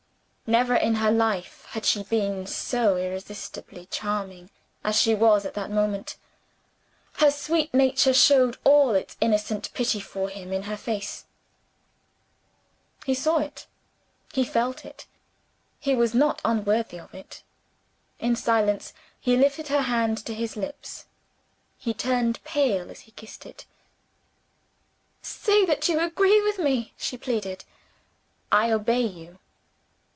Never in her life had she been so irresistibly charming as she was at that moment. Her sweet nature showed all its innocent pity for him in her face. He saw it he felt it he was not unworthy of it. In silence, he lifted her hand to his lips. He turned pale as he kissed it. "Say that you agree with me?" she pleaded. "I obey you."